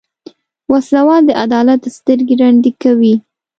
وسله د عدالت سترګې ړندې کوي